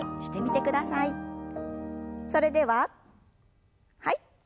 それでははい。